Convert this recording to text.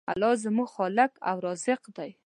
الله زموږ خالق او رازق دی.